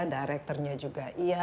direkturnya juga iya